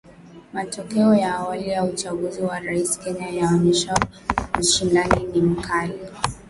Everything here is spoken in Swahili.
Matokeo ya awali ya uchaguzi wa rais Kenya yaonyesha ushindani ni mkali.